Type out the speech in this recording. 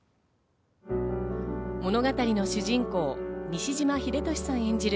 物語の主人公・西島秀俊さん